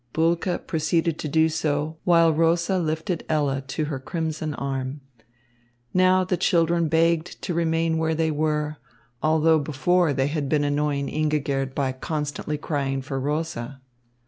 Bulke proceeded to do so, while Rosa lifted Ella to her crimson arm. Now the children begged to remain where they were, although before they had been annoying Ingigerd by constantly crying for Rosa.